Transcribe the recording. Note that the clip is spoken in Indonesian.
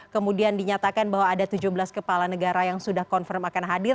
kemudian dinyatakan bahwa ada tujuh belas kepala negara yang sudah confirm akan hadir